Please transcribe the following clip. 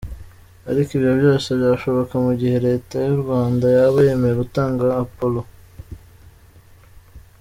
Ariko ibyo byose byashoboka mu gihe Leta y’u Rwanda yaba yemeye gutanga Apollo.